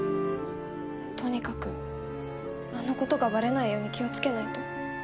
とにかくあの事がバレないように気をつけないと。